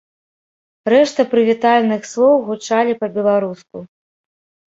Рэшта прывітальных слоў гучалі па-беларуску.